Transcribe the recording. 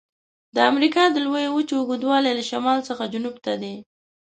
د امریکا د لویې وچې اوږدوالی له شمال څخه جنوب ته دی.